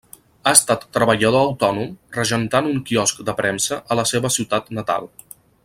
Ha estat treballador autònom, regentant un quiosc de premsa a la seva ciutat natal.